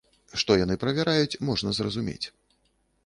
Што яны правяраюць, можна зразумець.